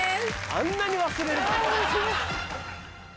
あんなに忘れるかね。